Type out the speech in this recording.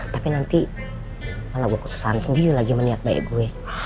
tapi nanti kalau gue keputusan sendiri lagi meniat baik gue